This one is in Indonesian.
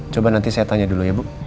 coba nanti saya tanya dulu ya bu